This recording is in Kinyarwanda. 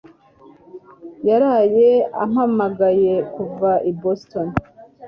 yaraye ampamagaye kuva i Boston